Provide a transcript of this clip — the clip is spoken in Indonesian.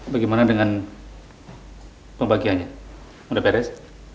bagaimana dengan pembagiannya sudah beres